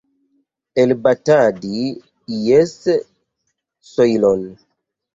Elbatadi ies sojlon.